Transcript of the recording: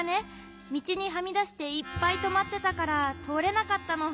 みちにはみだしていっぱいとまってたからとおれなかったの。